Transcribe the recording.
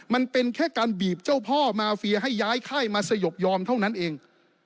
มันเป็นแค่การบีบเจ้าพ่อมาเฟียให้ย้ายค่ายมาสยบยอมเท่านั้นเอง